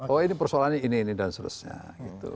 oh ini persoalannya ini ini dan seterusnya gitu